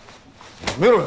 やめろよ！